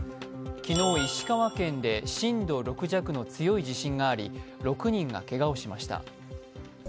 昨日石川県で震度６弱の強い地震があり６人がけがをしました。